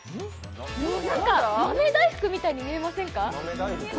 豆大福みたいに見えませんか。